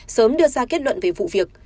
sớm đưa ra kết luận về vụ việc